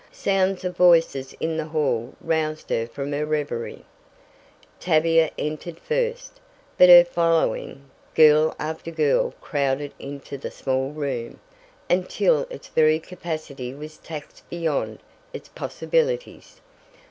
Sounds of voices in the hall roused her from her reverie. Tavia entered first. But her following! Girl after girl crowded into the small room, until its very capacity was taxed beyond its possibilities.